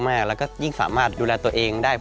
แล้วก็ยิ่งสามารถดูแลตัวเองได้